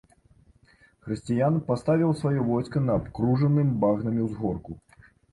Хрысціян паставіў сваё войска на абкружаным багнамі ўзгорку.